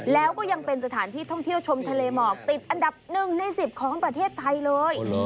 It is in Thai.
แล้วก็ยังเป็นสถานที่ท่องเที่ยวชมทะเลหมอกติดอันดับ๑ใน๑๐ของประเทศไทยเลย